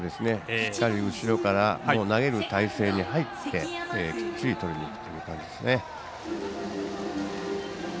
しっかり後ろから投げる体勢に入ってきっちりとりにいくという感じですね。